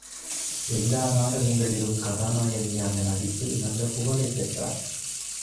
எல்லா நாடகங்களிலும் கதாநாயகியாக நடித்து நல்ல புகழைப் பெற்றார்.